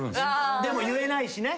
でも言えないしね。